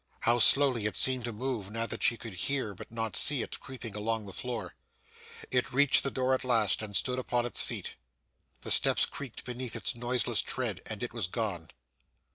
How slowly it seemed to move, now that she could hear but not see it, creeping along the floor! It reached the door at last, and stood upon its feet. The steps creaked beneath its noiseless tread, and it was gone.